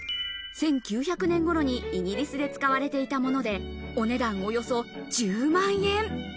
１９００年頃にイギリスで使われていたもので、お値段およそ１０万円。